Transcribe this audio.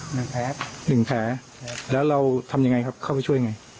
หนึ่งแผลหนึ่งแผลแล้วเราทำยังไงครับเข้าไปช่วยไง